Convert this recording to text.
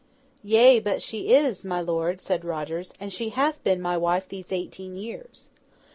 'Yea, but she is, my lord,' said Rogers, 'and she hath been my wife these eighteen years.